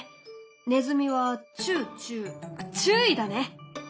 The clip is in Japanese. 「ネズミ」はチュウチュウあ注意だね。